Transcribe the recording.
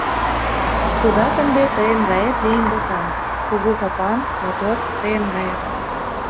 Тудат ынде тыйын гает лийын докан, кугу капан, мотор... тыйын гаяк.